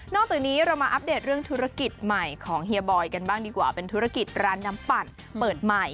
จากนี้เรามาอัปเดตเรื่องธุรกิจใหม่ของเฮียบอยกันบ้างดีกว่าเป็นธุรกิจร้านน้ำปั่นเปิดใหม่